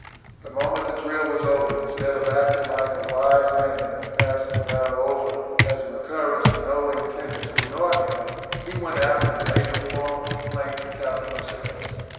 The moment the drill was over, instead of acting like a wise man, and passing the matter over as an occurrence in no way intended to annoy him, he went aft and made a formal complaint to Captain Lascelles.